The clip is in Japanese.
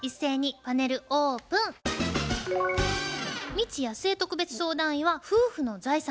未知やすえ特別相談員は「夫婦の財産」